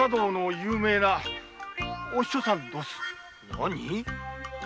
何？